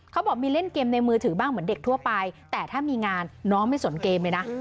เขาบอกมีเล่นเกมในมือถือบ้างเหมือนเด็กทั่วไปแต่ถ้ามีงานน้องไม่สนเกมเลยนะ